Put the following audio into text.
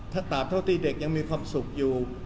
ถ้าตาบเท่าที่เด็กยังมีความสุขอยู่